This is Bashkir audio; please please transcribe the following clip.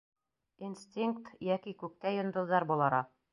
Инстинкт, йәки Күктә йондоҙҙар болара...